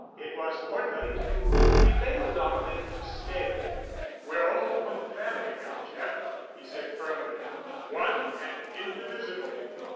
It was Cortland who prevailed on them to stay. "We're all one family now, Jeff," he said firmly, "one and indivisible.